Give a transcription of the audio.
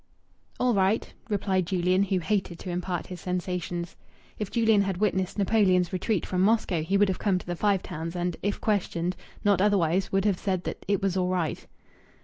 "All right," replied Julian, who hated to impart his sensations. If Julian had witnessed Napoleon's retreat from Moscow he would have come to the Five Towns and, if questioned not otherwise would have said that it was all right.